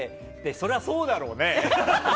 そりゃそうだろうね！